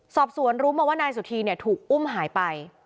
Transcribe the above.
สอบสวนรู้มาว่านายสุธีเนี่ยถูกอุ้มหายไป